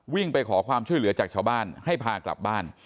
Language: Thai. ไปขอความช่วยเหลือจากชาวบ้านให้พากลับบ้าน